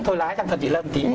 thôi lái rằng thật chị lâm